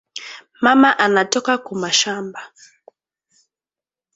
Mama ana toka ku mashamba